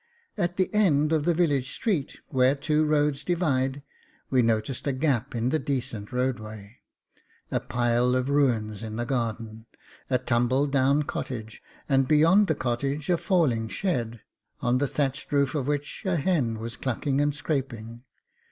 At the end of the village street, where two roads divide, we noticed a gap in the decent roadway a pile of ruins in a garden. A tumble down cottage, and beyond the cottage, a falling shed, on the thatched roof of which a hen was clucking and scraping.